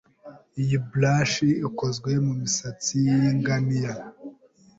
Iyi brush ikozwe mumisatsi yingamiya.